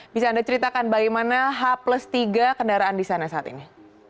bisa anda ceritakan bagaimana h tiga kendaraan di sana saat ini